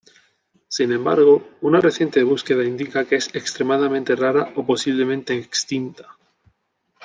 Sin embargo, una reciente búsqueda indica que es extremadamente rara o posiblemente extinta.